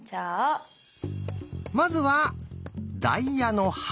まずは「ダイヤの８」。